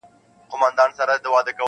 نور به د کابل دحُسن غله شړو,